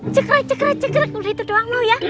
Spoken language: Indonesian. cekrek cekrek cekrek udah itu doang mau ya